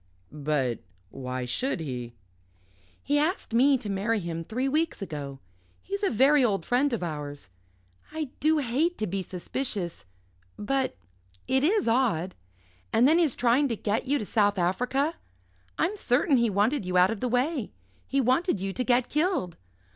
"But why should he?" "He asked me to marry him three weeks ago. He's a very old friend of ours. I do hate to be suspicious but it is odd. And then his trying to get you to South Africa. I'm certain he wanted you out of the way. He wanted you to get killed.